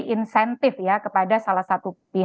penganggaran yang sangat bagus sih